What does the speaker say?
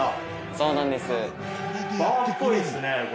そうなんです。